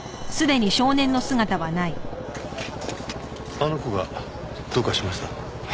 あの子がどうかしました？